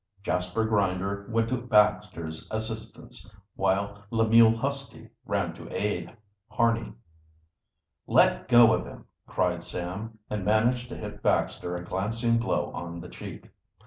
Jasper Grinder went to Baxter's assistance, while Lemuel Husty ran to aid Harney. "Let go of him!" cried Sam, and managed to hit Baxter a glancing blow on the cheek.